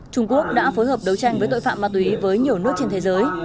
trung quốc đã phối hợp đấu tranh với tội phạm ma túy với nhiều nước trên thế giới